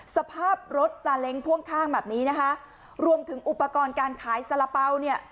สภาพรถซาเล้งพ่วงข้างแบบนี้นะคะรวมถึงอุปกรณ์การขายสาระเป๋าเนี่ย